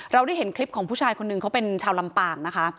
เราได้เห็นคลิปของผู้ชายคนหนึ่งเขาเป็นชาวลำปางนะคะ